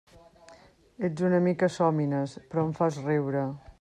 Ets una mica sòmines, però em fas riure.